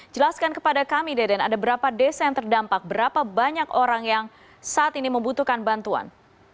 jelaskan kepada kami deden ada berapa desa yang terdampak berapa banyak orang yang saat ini membutuhkan bantuan